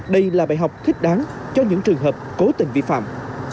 đây là bài học thích đáng cho những trường hợp cố tình vi phạm